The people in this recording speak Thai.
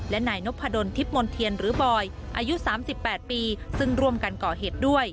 และนายนพดลทิพย์มนเทียนหรือบอยอายุ๓๘ปีซึ่งร่วมกันก่อเหตุด้วย